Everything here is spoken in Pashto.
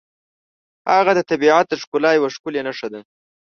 هغه د طبیعت د ښکلا یوه ښکلې نښه ده.